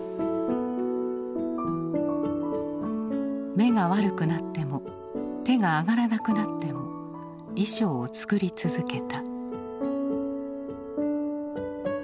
目が悪くなっても手が上がらなくなっても衣装を作り続けた。